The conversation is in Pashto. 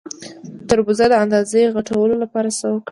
د تربوز د اندازې غټولو لپاره څه وکړم؟